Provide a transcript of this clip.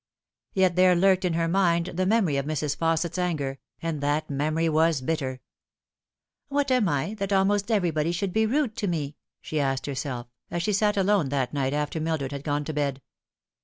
Yet there lurked in her mind the memory of Mrs. Faucet's anger, and that memory was bitter. All She could Remember. 37 " What am I, that almost everybody should be rude to me ?" she asked herself, as she sat alone that night after Mildred had gone to bed.